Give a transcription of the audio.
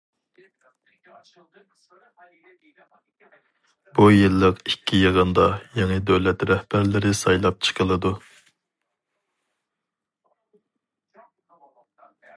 بۇ يىللىق ئىككى يىغىندا يېڭى دۆلەت رەھبەرلىرى سايلاپ چىقىلىدۇ.